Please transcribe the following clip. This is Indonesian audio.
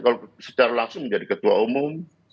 kalau secara langsung menjadi ketua umum